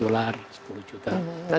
dolar lagi ini kan